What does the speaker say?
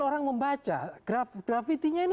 orang membaca grafitinya ini